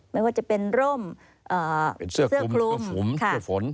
ไม่ว่าจะเป็นร่มเป็นเสื้อคลุมเสื้อฝน